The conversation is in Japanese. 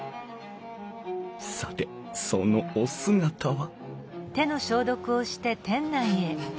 さてそのお姿は？